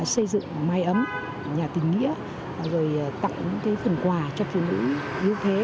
xây dựng mái ấm nhà tình nghĩa rồi tặng những phần quà cho phụ nữ yếu thế